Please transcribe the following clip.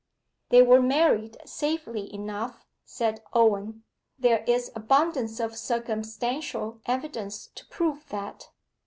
'They were married safely enough,' said Owen. 'There is abundance of circumstantial evidence to prove that.